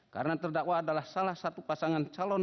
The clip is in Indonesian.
karena terdakwa adalah salah satu pasangan calon